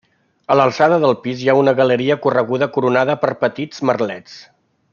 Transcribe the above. A l'alçada del pis hi ha una galeria correguda coronada per petits merlets.